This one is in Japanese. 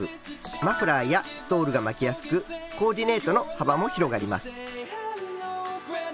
マフラーやストールが巻きやすくコーディネートの幅も広がります。